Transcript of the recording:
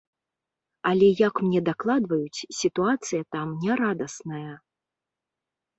Але, як мне дакладваюць, сітуацыя там нярадасная.